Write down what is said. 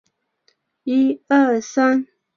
不论是黄蜂或是蜜蜂的刺都有毒。